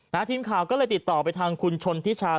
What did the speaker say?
ทีมข่าวก็เลยติดต่อไปทางคุณชนทิชา